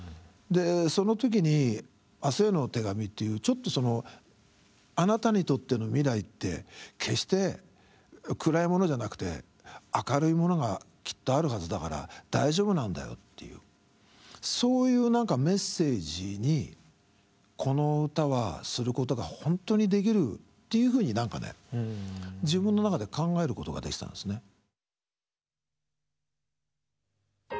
でその時に「明日への手紙」っていうちょっとそのあなたにとっての未来って決して暗いものじゃなくて明るいものがきっとあるはずだから大丈夫なんだよっていうそういう何かメッセージにこの歌はすることが本当にできるっていうふうに何かね自分の中で考えることができたんですね。